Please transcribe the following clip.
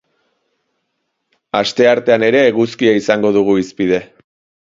Asteartean ere eguzkia izango dugu hizpide.